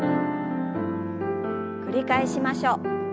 繰り返しましょう。